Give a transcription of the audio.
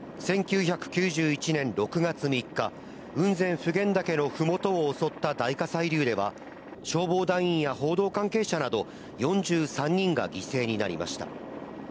１９９１年６月３日、雲仙普賢岳のふもとを襲った大火砕流では、消防団員や報道関係者など４３人が犠牲になりました。